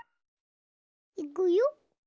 いくよ。